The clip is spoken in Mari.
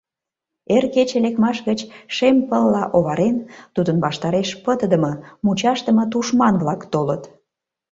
Эр кече лекмаш гыч, шем пылла оварен, тудын ваштареш пытыдыме, мучашдыме тушман-влак толыт...